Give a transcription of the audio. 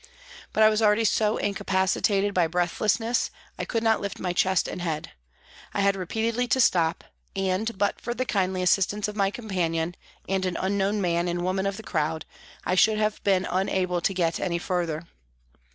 But I was already so incapacitated by breathlessness I could not lift my chest and head. 45 I had repeatedly to stop, and, but for the kindly assistance of my companion and an unknown man and woman of the crowd, I should have been unable to get any further.